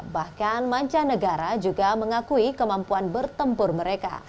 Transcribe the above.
bahkan mancanegara juga mengakui kemampuan bertempur mereka